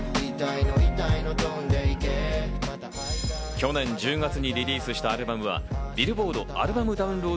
去年１０月にリリースしたアルバムはビルボードアルバムダウンロード